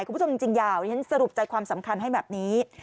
คุณผู้ชมจริงยาวดิฉันสรุปใจความสำคัญให้แบบนี้